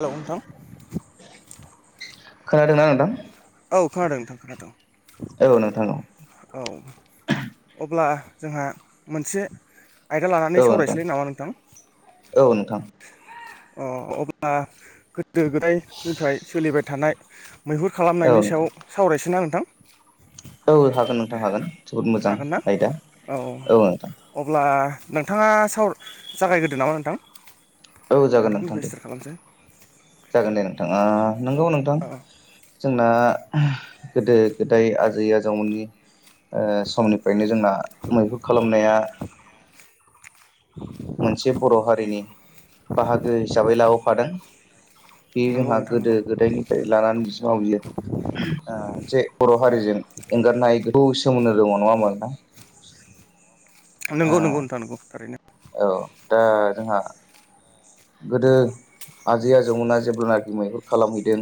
Hello नोंथां? खोनादोंना नोंथां औ खोनादों नोंथां खोनादों औ नोंथां औ औ अब्ला जोंहा मोनसे आयदा लानानै औ नोंथां सावरायसलै नामा नोंथां औ नोंथां अ अब्ला गोदो गोदायनिफ्राय सोलिबाय थानाय मैहुर औ खालामनायनि नोंथां सायाव सावरायसोना नोंथां औ हागोन नोंथां हागोन जोबोद मोजां हागोन ना आयदा औ नोंथां अब्ला नोंथाङा साव जागायग्रोदो नामा नोंथां औ जागोन नोंथां नोंथांनिफ्राय दे स्टार्ट खालामसै जागोन दे नोंथाङा आ नंगौ नों औ जोंना गोदो गोदाय आजै आजौमोननि समनिफ्रायनो जोंना मैहुर खालामनाया मोनसे बर' हारिनि बाहागो हिसाबै लाबोफादों बे नंगौ जोंहा नोंथां गोदो नंगौ गोदायनिफ्राय लानानै बिसनाव बियो मोनसे बर' हारिजों एंगारनाय सोमोनद दङ' नङा होनबा नोंथां नोंगौ नंगौ नोंथा नंगौ थारैनो औ दा जोंहा गोदो आजै आजौमोना जेब्लनाखि मैहुर खालामहैदों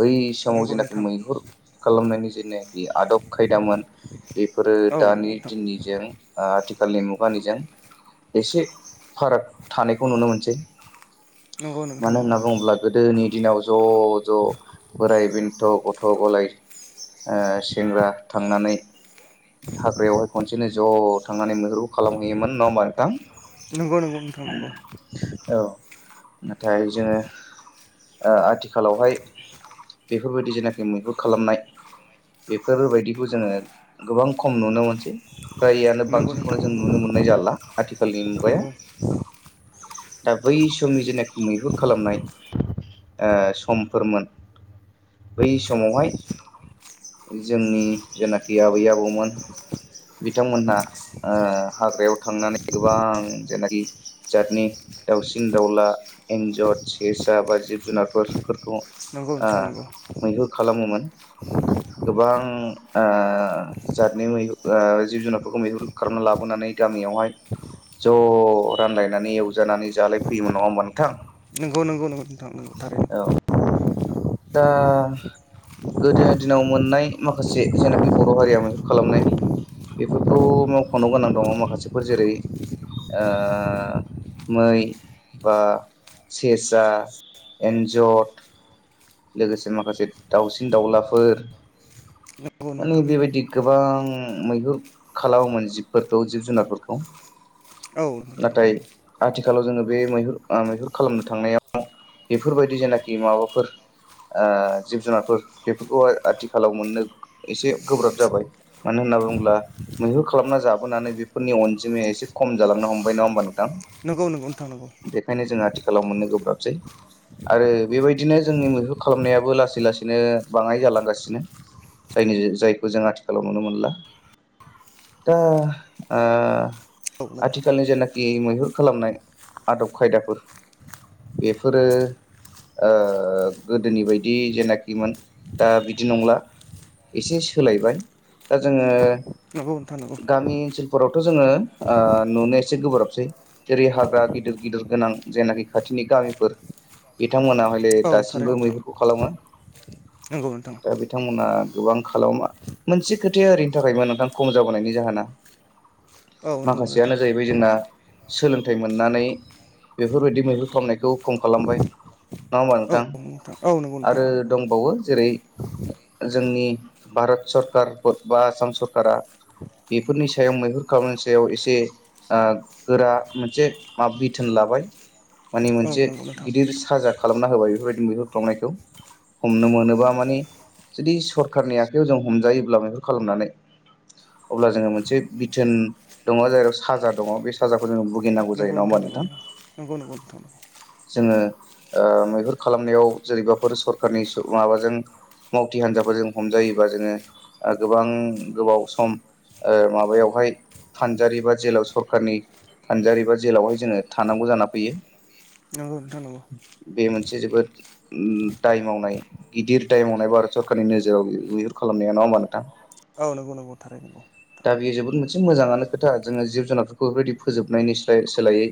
बै समाव नंगौ जेनाखि नोंथां मैहुर खालामनायनि जेने आदब खायदामोन बेफोरो औ नंगौ दानि नोंथां दिननिजों आथिखाल आथिखालनि मुगानिजों एसे फाराग थानायखौ नुनो मोनसै नंगौ नोंथां मानो नंगौ होनना बुङोब्ला गोदोनि दिनाव ज' ज' बोराइ बेन्थ' गथ' गथ' गलाय सेंग्रा थांनानै हाग्रायावहाय खनसेनो ज' थांनानै मैहेरु खालामहैयोमोन नङा होमबा नोंथां नोंंगौ नंगौ मोनथां नंगौ औ नाथाय जोङो आथिखालावहाय बेफोरबायदि जेनाखि मैहुर खालामनाय बेफोरबायदिखौ जोङो गोबां खम नुनो मोनसै फ्राययानो नंगौ बांसिनखौनो नोंथां जों नुनो मोननाय जाला आथिखालनि मुगायाव नंगौ दा बै समनि जेनाखि मैहुर खालामनाय समफोरमोन बै समावहाय जोंनि जेनाखि आबै आबौमोन बिथांमोनहा हाग्रायाव थांनानै गोबां जेनाखि जातनि दाउसिन दाउला एन्जर सेसा बा जिब जुनारफोरखौ नंगौ नोंथां नंगौ मैहु खालामोमोन गोबां आं जादनि मैहु जिब जुनारफोरखौ मैहुर खालामना लाबोनानै गाब आंनियावहाय ज' रानलायनानै एवजानानै जालायफैयोमोन नङा होमा नोंथां नंगौ नंगौ नंगौ नोंथां नोंगौ औ थारैनो दा गोदोनि दिनाव मोननाय माखासे जेनाखि बर' हारिया मैहुर खालामनाय बेफोरखौ मावख'नो गोनां दङ माखासेफोर जेरै मै बा सेसा एन्जर लोगोसे माखासे दाउसिन दाउलाफोर [unintelligible] माने बेबायदि गोबां मैहुर खालामोमोन जिबफोरखौ जिब जुनारफोरखौ औ नाथाय आथिखालाव जोङो बे मैहुर ओ मैहुर खालामनो थांनायाव बेफोरबायदि जेनाखि माबाफोर ओ जिब जुनारफोर बेफोरखौहाय आथिखालाव मोननो एसे गोब्राब जाबाय मानो होन होनना बुोब्ला मैहुर खालामना जाबोनानै बेफोरनि अनजिमाया एसे खम जालांनो हमबाय नङा होनोमबा नोंथां। नंगौ नंगौ नोंथां नंगौ खालाव मोननो गोब्राबसै आरो बेबायदिनो जोंनि मैहुर खालामनायाबो लासै लासैनो बाङाय जालांगासिनो जायनि जायखौ जों आथिखालाव नुनो मोनला दा आ औ नोंथां आथिखालनि जेनाखि मैहुर खालामनाय आदब खायदाफोर बेफोरो ओ गोदोनि बायदि जेनाखिमोन दा बिदि नंला एसे सोलायबाय दा जोङो नंगौ नोंथां नोंगौ थ जोङो ओ नुनो एसे गोब्राबसै जेरै हाग्रा गिदिर गिदिर गोनां जेयनाखि खाथिनि गामिफोर बे बिथांमोना हले औ थारैनो दासिमबो नोंथां मैहुरखौ खालामो नंगौ नोंथां दा बिथांमोना गोबां खालामा मोनसे खोथाया ओरैनि थाखायमोन नोंथां खम जाबोनायनि जाहोना औ नंगौ माखासेयानो नोंथां जाहैबाय जोंना सोलोंथाइ मोननानै बेफोरबायदि मैहुर खालामनायखौ खम खालामबाय नङा होमबा औ नोंथां औ नंगौ नोंथां आरो नंगौ दंबावो जेरै जोंनि भारत सरकार पद बा आसाम सरकारा बेफोरनि सायाव मैहुर खालामनायनि सायाव एसे ओ गोरा मोनसे मा बिथोन लाबाय माने औ मोनसे नंगौ नोंथां गिदिर साजा खालाम खामना होबाय बेफोरबायदि मैहुर खालामनायखौ हमनो मोनोबा माने जुदि सरखारारनि आखाइयाव जों हमजायोब्ला मैहुर खालामनानै अब्ला जोङो मोनसे बिथोन दङ जेराव साजा दङ बे साजाखौ जोङो बु नोंगौ नोंथां नोंगौ नोंगौं नोंगौ नोंथां जोङो ओ मैहुर खालामनायाव जेरैबाफोर सरखारनि सु माबाजों मावथि हान्जाफोरजों हमजायोबा जोङो ओ गोबां गोबाव सम ओ माबायावहाय फानजारि बा जेलाव सरखारनि फानजारि बा जेलावहाय जोङो थानांगौ जाना फैयो नांगौ नोंथां नोंगौ से जोबोद दाय मावनाय गिदिर दाय मावनाय भारत सरकारनि नोजोराव बिहुर खालामनाया न [unintelligible] नोंथां औ नंगौ नंगौ थारै नंगौ दा बेयो जोबोद मोनसे मोजाङानो खोथा जोङो जिब जुनारफोरखौ बेफोरबायदि फोजोबनायनि स्लाय सोलायै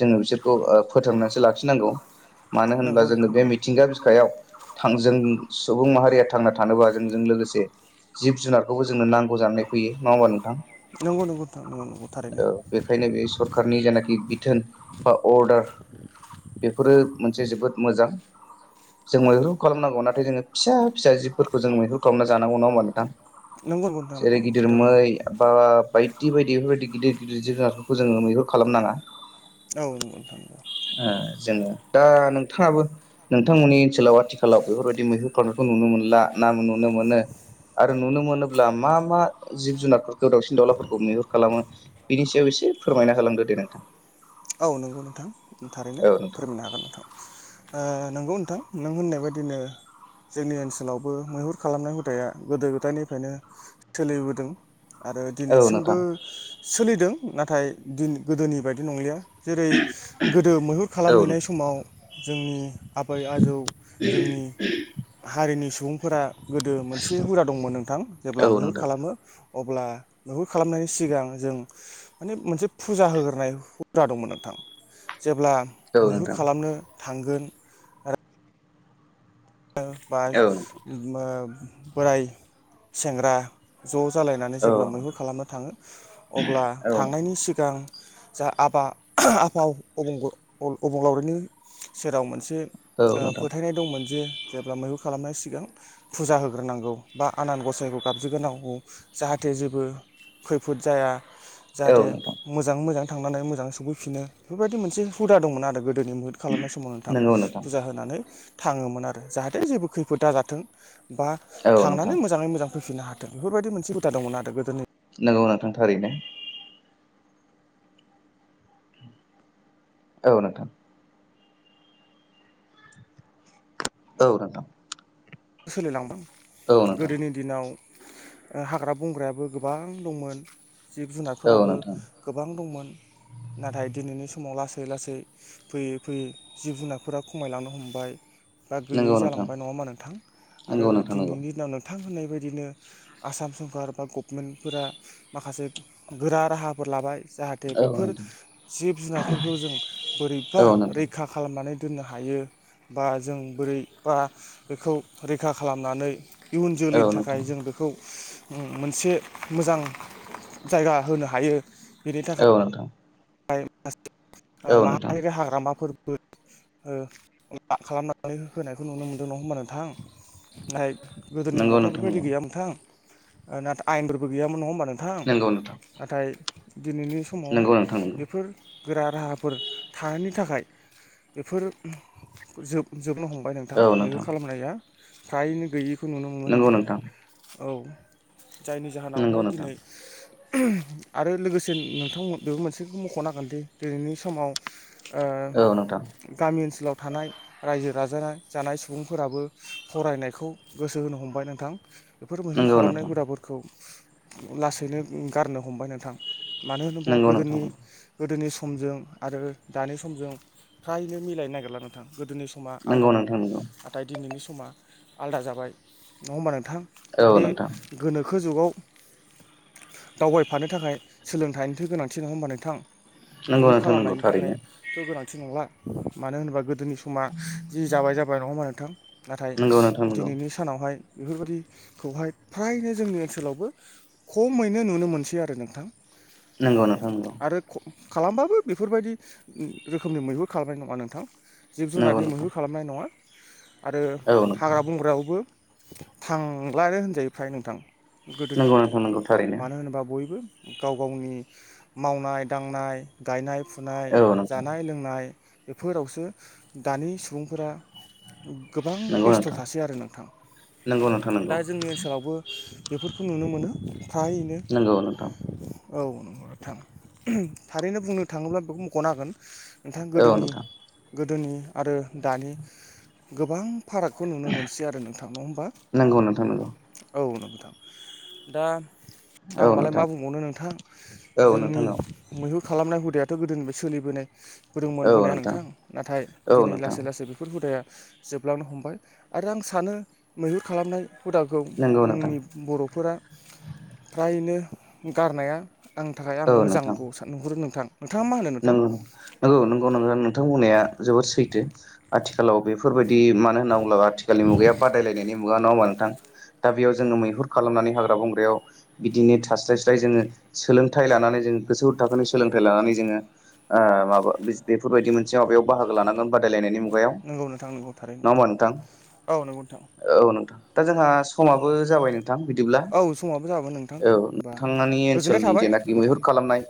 जोङो बिसोरखौ ओ फोथांनानैसो लाखिनांगौ मानो होनबा नंगौ नंगौ जोङो नोंथां बे मिथिंगा बिखायाव थां जों सुबुं माहारिया थांना थानोबा जोंजों लोगोसे जिब जुनारखौबो जोंनो नांगौ जानानै फैयो नङा ओमबा नोंथां? नंगौ नंगौ नंगौ नगौ थारैनो नैबे सरखारनि जेनाखि बिथोन बा अर्डार बेफोरो मोनसे जोबोद मोजां जों मैहुर खालामनांगौ नाथाय जोङो फिसा फिसा जिबफोरखौ जों मैहु खालामना जानांगौ नङा होनोमबा नोंथां नंगौ नंगौ नोंथां जेरै नंगौ नंगौ गिदिर थारैनो मै बा बायदि बायदि बेफोरबायदि गिदिर गिदिर जोनार खौ जोङो मैहुर खालामनाङा औ नोंथां ओ जोङो दा नोंथाङाबो नोंथांमोननि ओनसोलाव आथिखालाव बेफोरबायदि मैहुर खालामनायखौ नुनो मोनला ना नुनो मोन मोनो आरो नुनो मोनोब्ला मा मा जिब जुनारफोरखौ दाउसिन-दाउलाफोरखौ मैहुर खालामो बिनि सायाव एसे फोरमायना होलांदो दे नोंथां औ नोंगौ नोंथां थारैनो औ नोंथां फोरमायनो हागोन नोंथां। ओ नोंगौ नोंथां नों होननाय बायदिनो जोंनि ओनसोलावबो मैहुर खालामनाय हुदाया गोदो- गोदायनिफ्रायनो सोलिबोदों आरो औ दिनैसिमबो नोंथां सोलिदों नाथाय दिन गोदोनि बायदि नंलिया। जेरै गोदो मैहुर औ खालामहैनाय नोंथां समाव जोंनि आबै आजौ जोंनि हारिनि सुबुंफोरा गोदो मोनसे हुदा दंमोन नोंथां जेब्ला औ मैहुर नोंथां खालामो अब्ला मैहुर खालामनायनि सिगां जों माने मोनसे फुजा होग्रोनाय हुदा दंमोन नोंथां। जेब्ला औ मैहुर नोंथां खालामनो थांगोन बा औ नोंथां ओ बोराय सेंग्रा ज' जालायनानै औ जेब्ला मैहुर खालामनो थाङो अब्ला औ थांनायनि सिगां जा आफा आफा अबं ग अबंलावरिनि सेराव मोनसे ओ नोंथां फोथायनाय दंमोन जे जेब्ला मैहुर खालामनाय सिगां फुजा होग्रोनांगौ बा आनान गसाइखौ गाबज्रिग्रोनांगौ जाहाथे जे जेबो खैफोद जाया औ जाहाथे नोंथां मोजाङै मोजां थांनानै मोजां सफैफिनो बेफोरबायदि मोनसे हुदा दंमोन आरो गोदो। गोदोनि मैहुर खालामनाय समाव नोंथां, फुजा होनानै थाङोमोन आरो। जाहाथे जेबो खैफोद दाजाथों बा औ नोंथां थांनानै मोजाङै मोजां फैफिननो हाथों बेफोरबायदि मोनसे हुदा दंमोन आरो गोदोनि नंगौ नोंथां थारैनो। औ नोंथां। औ नोंथां। सोलिलांबाय औ नोंथां गोदोनि दिनाव हाग्रा बंग्रायाबो गोबां दंमोन। जिब औ जुनारफोराबो नोंथां गोबां दंमोन, नाथाय दिनैनि समाव लासै-लासै फैयै-फैयै जिब- जुनारफोरा खमायलांनो हमबाय, बा गैयै नंगौ नोंथां जालांबाय नङा होमबा नोंथां, आरो नंगौ नोंथां नंगौ दिनैनि दिनाव नों थां होननाय बायदिनो आसाम सरखार बा गभमेन्टफोरा माखासे गोरा राहाफोर लाबाय जाहाथे औ बेफोर नोंथां जिब-जुनारफोरखौ जों बोरैबा औ नोंथां रैखा खालामनानै दोननो हायो, बा जों बोरैबा बेखौ रैखा खालामनानै इयुन औ जोलैनि नोंथां थाखाय जों बेखौ मोनसे मोजां जायगा होनो हायो। औ नोंथां। [inaudible] औ नोंथां माहारि हाग्रामाफोरबो ओ ला खालामनानै होनायखौ नुनो मोनदों नङा होमबा नोंथां। ओमफ्राय गोदोनि नंगौ समावथ' नोंथां बेफोरबायदि नंगौ गैयामोन नोंथां नाथाय आयेनफोरबो गैयामोन नङा होनबा नोंथां नंगौ नाथाय दिनैनि नोंथां समावहाय नंगौ नोंथां नंगौ बेफोर गोरा राहाफोर थानायनि थाखाय बेफोर जोब जोबनो हमबाय नोंथां मैगुर खालामनाया फ्रायैनो गैयिखौ नुनो मोनो नोंथां। औ जायनि नंगौ जाहोनावहाय नोंथां दिनै आरो लोगोसे नोंथांमोन बेबो मोनसे मख'नांगोनदि दिनैनि समाव ओ औ नोंथां गामि ओनसोलाव थानाय रायजो-राजा जानाय सुबुंफोराबो फरायनायखौ गोसो होनो हमबाय नोंथां। बेफोर मैहुर नंगौ खालामनाय नोंथां हुदाफोरखौ लासैनो गारनो हमबाय नोंथां, मानो होनोबा नंगौ नोंथां गोदोनि गोदोनि समजों आरो दानि समजों फ्रायनो मिलायनो नागिरला नोंथां। गोदोनि समा नंगौ आलदामोन नोंथां नंगौ नाथाय दिनैनि समा आलादा जाबाय नंङा होमबा नों थां औ बे नोंथां गोनो खो जुगाव दावबायफानो थाखाय सोलोंथाइनिफ्राय गोनांथि नङा होमबा नोंथां। नंगौ मैहुर नोंथां नंगौ खालामनायनि थारैनो थाखायथ' गोनां थि नंला मानो होनोबा गोदोनि समा जि जाबाय जाबाय नङा होमबा नोंथां नाथाय नंगौ नोंथां नंगौ दिनैनि सानावहाय बेफोरबायाददिखौहाय फ्रायनो जोंनि ओनसोलावबो खमैनो नुनो मोनसै आरो नोंथां नंगौ नांथां। आरो खालामबाबो बेफोरबायदि रोखोमनि मैहुर खालामनाय नङा नोंथां। जिब नंगौ जुनारनि नोंथां मैहुर खालामनाय नङा आरो औ नोंथां हाग्रा बंग्रायावबो थांलानो होनजायो फ्राय नोंथां। गोदोनि नंगौ बायदि नोंथां नंगौ थारैनो मानो होनोबा बयबो गाव गावनि मावनाय दांनाय गायनाय फुनाय औ नोंथां जानाय लोंनाय बेफोरावसो दानि सुबुंफोरा गोबां नंगौ बेस्थ' नोंथां थासै आरो नोंथां नंगौ नोंथां दा नंगौ जोंनि ओनसोलावबो बेफोर खौ नुनो मोनो थाहैनो नंगौ नोंथां औ नंगौ नोंथां। थारैनो बुंनो थाङोब्ला बेखौ मख'नो हागोन नोंथाङा औ नोंथां गोदोनि गोदोनि आरो दानि गोबां फारागखौ नुनो मोनसै आरो नोंथां नङा होमबा नंगौ नोंथां नंगौ औ नों थां दा औ आं मालाय नोंथां मा बुंबावनो नोंथां औ नोंथां जोंनि औ मैहुर खालामनाय हुदायाथ' गोदोनिफ्राय सोलिबोनाय फदोंमोन बोनाया नोंथां नाथाय औ दिनै नोंथां लासै लासै बेफोर हुदाया जोबलांनो हमबाय आरो आं सानो मैहुर खालामनाय हुदाखौ नंगौ नोंथां जोंनि बर'फोरा फ्रायनो गारनाया आंनि थाखाय आं मोजांखौ सान नुहरो नोंथां। नोंथाङा मा होनो नोंथां नों नंगौ नंगौ नों नोंथां बुंनाया जोबोद सैथो आथिखालाव बेफोरबायदि बिदि मानो होनना बुङोब्ला आथिखालनि मुगाया बादायलायनायनि मुगा नङा होमबा? नोंथां दा बेयाव जोङो मैहुर खालामनानै हाग्रा बंग्रायाव बिदिनो थास्राय स्राय जोङो सोलोंथाइ लानानै गोजौ थाखोनि सोलोंथाइ लानानै जोङो ओ माबा बेफोरबायदि मोन सिङाव बेयाव बाहागो लानांगोन बादायलायनायनि मुगायाव नंगौ नोंथां नंगौ थारैनो नङा होमबा नोंथां? औ नंगौ नोंथां औ नोंथां दा जोंहा समाबो जाबाय नोंथां बिदिब्ला औ समाबो जाबाय नोंथां औ होमबा नोंथांनि गोजोननाय ओनसोलनि थाबाय जेनाखि नोंथां मैहुर खालामनाय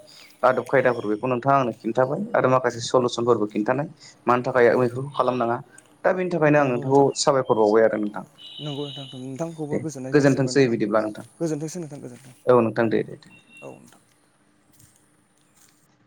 आदब औ खायदाफोरबो आंनो खिन्थाबाय आरो माखासे सलुसनफोरबो खिन्थानाय मानि थाखाय आं बेफोरखौ खालामनाङा दा बेनि थाखायनो आं नंगौ नोंथांखौ नोंथां साबायखर बावबाय आरो नोंथां नंगौ नोंथां नोंथांखौबो दे गोजोननाय जासिहरबाय गोजोनथोंसै बिदिबा। नोंथां गोजोन्थोंसै नोंथां गोजोन्थों औ नोंथां दे दे दे। औ नोंथां।